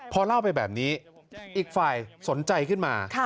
พอเล่าไปแบบนี้อีกฝ่ายสนใจขึ้นมา